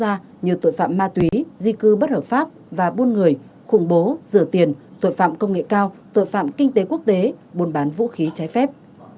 các tội phạm ma túy di cư bất hợp pháp và buôn người khủng bố rửa tiền tội phạm công nghệ cao tội phạm kinh tế quốc tế buôn bán vũ khí trái phép